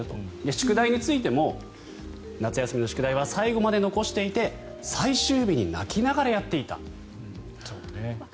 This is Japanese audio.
宿題についても夏休みの宿題は最後まで残していて最終日に泣きながらやっていたと。